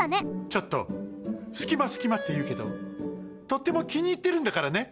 ちょっとすきますきまっていうけどとってもきにいってるんだからね。